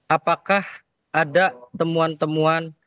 apakah ada temuan temuan